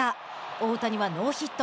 大谷はノーヒット。